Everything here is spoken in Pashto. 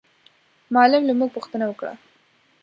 معلم له موږ پوښتنه وکړه.